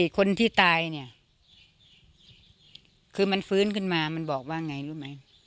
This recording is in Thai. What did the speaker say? คนที่ตายเนี่ยคือมันฟื้นขึ้นมามันบอกว่าไงรู้ไหม